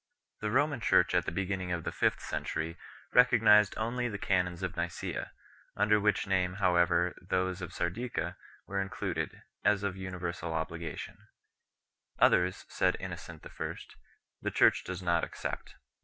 The Roman Church at the beginning of the fifth century recognized only the canons of Nicaea, under which name however those of Sardica were included, as of uni versal obligation 3 . Others, said Innocent I., the Church does not accept.